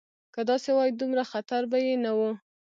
که داسې وای دومره خطر به یې نه و.